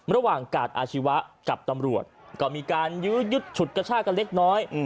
ระหว่างกาดอาชีวะกับตำรวจก็มีการยื้อยุดฉุดกระชากันเล็กน้อย